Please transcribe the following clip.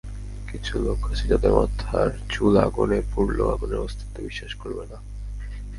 কিছু লোক আছে যাদের মাথার চুল আগুনে পুড়লেও আগুনের অস্তিত্ব বিশ্বাস করবে না।